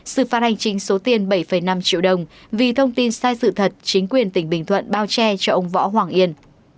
sự phạt hành chính số tiền bảy năm triệu đồng vì thông tin sai sự thật chính quyền tỉnh bình thuận bao che cho ông võ hoàng yên